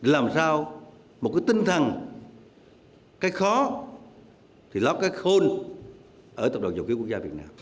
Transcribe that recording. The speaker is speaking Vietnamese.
làm sao một cái tinh thần cái khó thì lót cái khôn ở tập đoàn dầu khí quốc gia việt nam